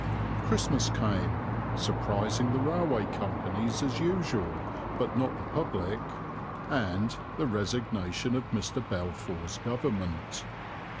Christmas came, surprising the railway companies as usual, but not the public, and the resignation of Mr. Balfour's Government.